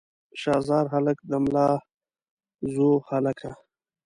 شاه زار هلکه د ملازو هلکه.